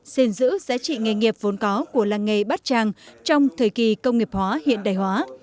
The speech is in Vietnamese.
xin giữ giá trị nghề nghiệp vốn có của làng nghề bát trang trong thời kỳ công nghiệp hóa hiện đại hóa